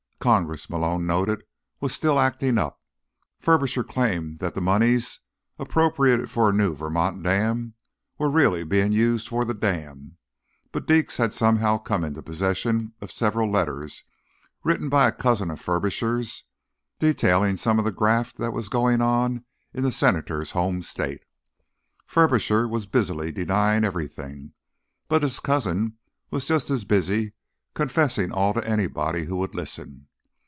Congress, Malone noted, was still acting up. Furbisher claimed that the moneys appropriated for a new Vermont dam were really being used for the dam. But Deeks had somehow come into possession of several letters written by a cousin of Furbisher's, detailing some of the graft that was going on in the senator's home state. Furbisher was busily denying everything, but his cousin was just as busy confessing all to anybody who would listen.